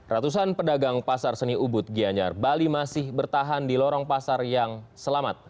ratusan pedagang pasar seni ubud gianyar bali masih bertahan di lorong pasar yang selamat